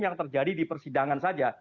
yang terjadi di persidangan saja